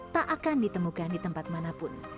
tak akan ditemukan di tempat manapun